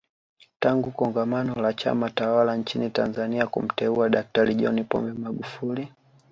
Tangu kongamano la Chama tawala nchini Tanzania kumteua Daktari John Pombe Magufuli